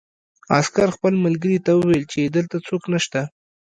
عسکر خپل ملګري ته وویل چې دلته څوک نشته